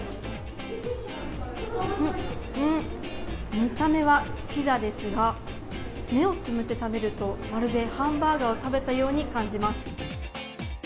見た目はピザですが目をつぶって食べるとまるでハンバーガーを食べたように感じます。